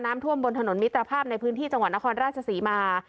ท่วมบนถนนมิตรภาพในพื้นที่จังหวัดนครราชศรีมา